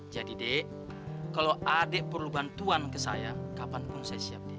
jadi dik kalau adik perlu bantuan ke saya kapanpun saya siap dik